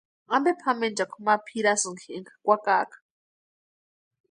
¿Ampe pʼamenchakwa ma pʼirasïnki énka kwakaaka?